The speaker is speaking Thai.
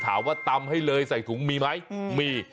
ถามว่าตำให้เลยใส่ถุงมีไหมมี